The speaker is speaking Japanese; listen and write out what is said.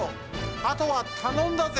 あとはたのんだぜ！